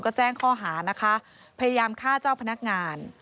ก็แจ้งข้อหานะคะพยายามฆ่าเจ้าพนักงาน